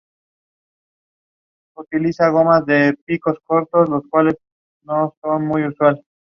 Allí la mayoría de las personas se situaron al borde del Rogue River.